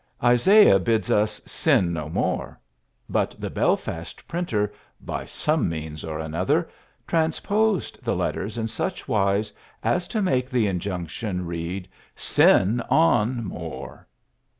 Isaiah bids us "sin no more," but the Belfast printer, by some means or another, transposed the letters in such wise as to make the injunction read "sin on more."